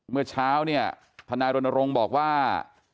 เมื่อเช้าทนรณรงค์บอกว่า